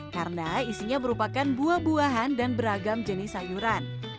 karena isinya merupakan buah buahan dan beragam jenis sayuran